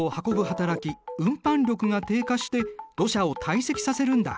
はたらき運搬力が低下して土砂を堆積させるんだ。